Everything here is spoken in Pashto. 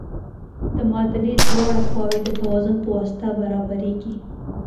د معادلې دواړه خواوې د توازن په واسطه برابریږي.